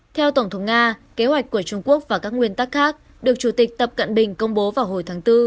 theo tổng thống nga kế hoạch của trung quốc và các nguyên tắc khác được chủ tịch tập cận bình công bố vào hồi tháng bốn